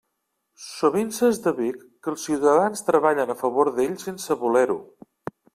Sovint s'esdevé que els ciutadans treballen a favor d'ell sense voler-ho.